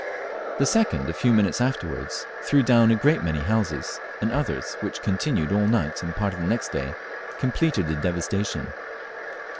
The second, a few minutes afterwards, threw down a great many houses, and others, which continued all night and part of the next day, completed the devastation.